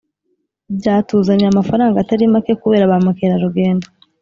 byatuzanira amafaranga atari makekubera ba mukerarugendo.